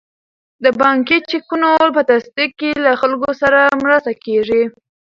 د بانکي چکونو په تصدیق کې له خلکو سره مرسته کیږي.